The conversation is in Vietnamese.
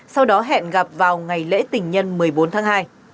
sau đó hẹn gặp vào ngày lễ tình nhân một mươi bốn tháng hai